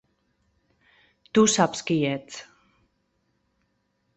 Tu saps qui ets.